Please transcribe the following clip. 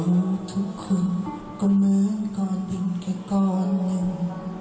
รู้ทุกคนก็เหมือนก่อนเป็นแค่ก่อนหนึ่ง